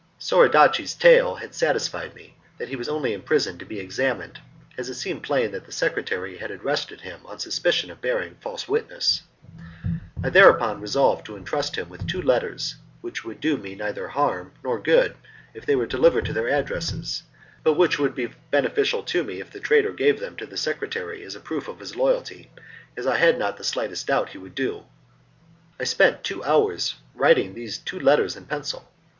Soradaci's tale had satisfied me that he was only imprisoned to be examined, as it seemed plain that the secretary had arrested him on suspicion of bearing false witness. I thereupon resolved to entrust him with two letters which would do me neither good nor harm if they were delivered at their addresses, but which would be beneficial to me if the traitor gave them to the secretary as a proof of his loyalty, as I had not the slightest doubt he would do. I spent two hours in writing these two letters in pencil.